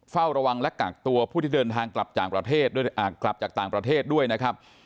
เฝ้าระวังและกลักตัวผู้ที่เดินทางกลับจากต่างประเทศด้วยนะครับ